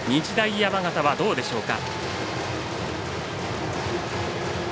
山形は、どうでしょうか。